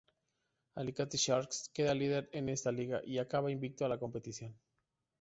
Alicante Sharks queda líder de esta liga y acaba invicto la competición.